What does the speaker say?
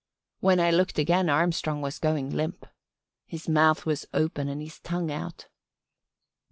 When I looked again Armstrong was going limp. His mouth was open and his tongue out.